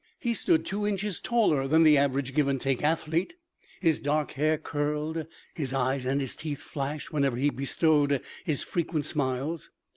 He stood two inches taller than the average Give and Take athlete; his dark hair curled; his eyes and his teeth flashed whenever he bestowed his frequent smiles.